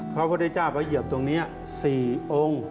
พระพุทธเจ้าพระเหยียบตรงนี้๔องค์